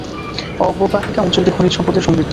অববাহিকা অঞ্চলটি খনিজ সম্পদে সমৃদ্ধ।